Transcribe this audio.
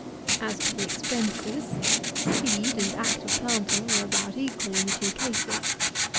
As to the expenses, the seed and act of planting are about equal in the two cases.